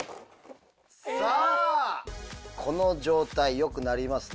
さあこの状態よくなりますね。